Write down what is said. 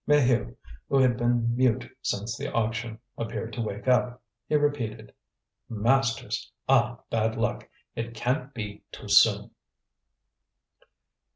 Maheu, who had been mute since the auction, appeared to wake up. He repeated: "Masters! Ah! bad luck! it can't be too soon!"